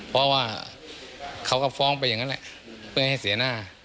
เพราะว่าเขาก็ฟ้องไปอย่างนั้นแหละเพื่อให้เสียหน้า